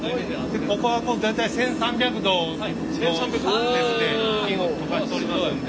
ここはもう大体１，３００℃の熱で金を溶かしておりますんで。